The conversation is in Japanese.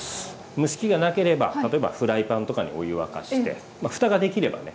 蒸し器がなければ例えばフライパンとかにお湯沸かしてふたができればね